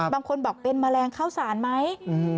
บางคนบอกเป็นแมลงเข้าสารไหม